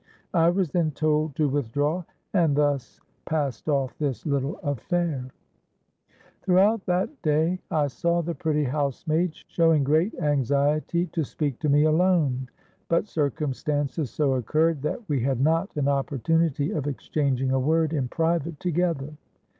I was then told to withdraw; and thus passed off this little affair. "Throughout that day I saw the pretty housemaid showing great anxiety to speak to me alone; but circumstances so occurred, that we had not an opportunity of exchanging a word in private together.